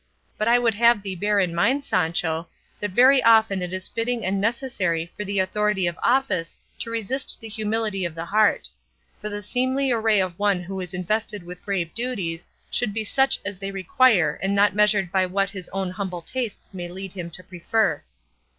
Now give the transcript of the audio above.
But I would have thee bear in mind, Sancho, that very often it is fitting and necessary for the authority of office to resist the humility of the heart; for the seemly array of one who is invested with grave duties should be such as they require and not measured by what his own humble tastes may lead him to prefer.